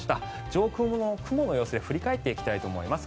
上空の雲の様子で振り返っていきたいと思います。